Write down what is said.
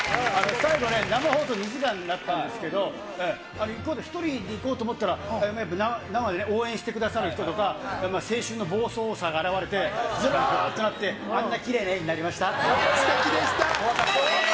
最後ね、生放送２時間だったんですけど、あれ、１人で行こうと思ったら、生でね、応援してくださる人とか、青春の暴走さがあらわれて、ずらーってなって、あんなきれいすてきでした。